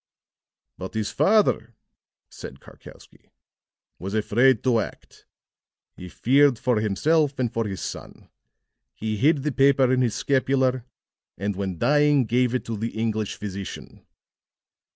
"But his father," said Karkowsky, "was afraid to act; he feared for himself and for his son. He hid the paper in his scapular, and when dying gave it to the English physician."